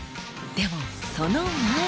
でもその前に。